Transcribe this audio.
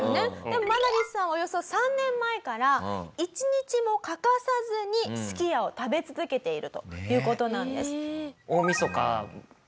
でもマナリスさんはおよそ３年前から１日も欠かさずにすき家を食べ続けているという事なんです。